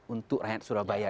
untuk rakyat surabaya